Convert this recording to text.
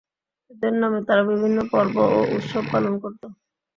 এদের নামে তারা বিভিন্ন পর্ব ও উৎসব পালন করত।